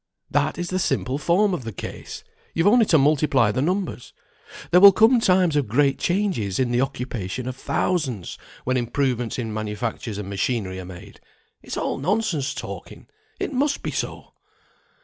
That is the simple form of the case; you've only to multiply the numbers. There will come times of great changes in the occupation of thousands, when improvements in manufactures and machinery are made. It's all nonsense talking, it must be so!"